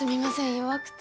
弱くて。